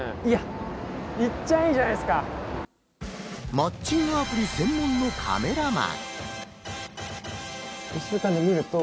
マッチングアプリ専門のカメラマン。